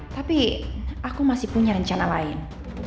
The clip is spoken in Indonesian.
tapi aku masih punya rencana lain